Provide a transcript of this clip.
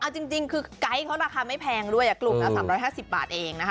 เอาจริงคือไกด์เขาราคาไม่แพงด้วยกลุ่มละ๓๕๐บาทเองนะคะ